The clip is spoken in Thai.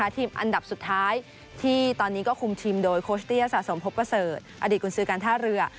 ทีมอันดับสุดท้ายที่ตอนนี้ก็คุมทีมโดยโคชเตี้ยสะสมพบประเสริฐอดีตกุญสือการท่าเรือ